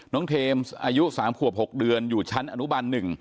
เทมส์อายุ๓ขวบ๖เดือนอยู่ชั้นอนุบัน๑